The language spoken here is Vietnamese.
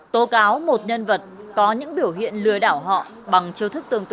tố cáo một nhân vật có những biểu hiện lừa đảo họ bằng chiêu thức tương tự